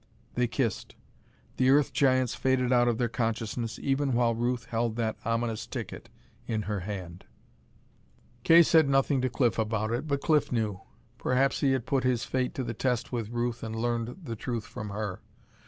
They kissed. The Earth Giants faded out of their consciousness even while Ruth held that ominous ticket in her hand. Kay said nothing to Cliff about it, but Cliff knew. Perhaps he had put his fate to the test with Ruth and learned the truth from her.